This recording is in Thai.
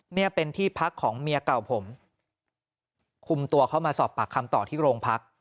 เนี่ยเป็นที่พักของเมียเก่าผมคุมตัวเข้ามาสอบปากคำต่อที่โรงพัก